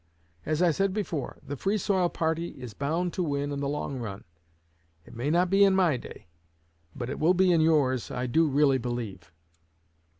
As I said before, the Free soil party is bound to win in the long run. It may not be in my day; but it will be in yours, I do really believe.'"